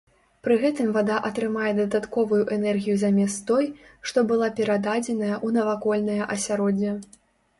Пры гэтым вада атрымае дадатковую энергію замест той, што была перададзеная ў навакольнае асяроддзе.